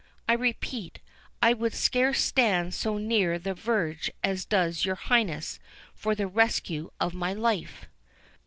I repeat, I would scarce stand so near the verge as does your Highness, for the rescue of my life."